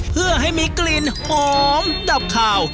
เพื่อให้มีกลิ่นหอมดับขาว